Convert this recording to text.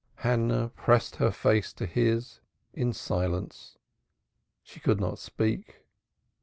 Hannah pressed her face to his in silence. She could not speak.